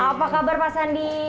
apa kabar pak sandi